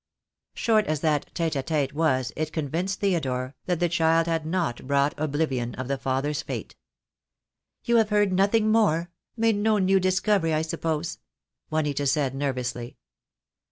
Short as that tete a tete was it con vinced Theodore that the child had not brought oblivion of the father's fate. 4* 52 THE DAY WILL COME. "You have heard nothing more — made no new dis covery, I suppose," Juanita said, nervously.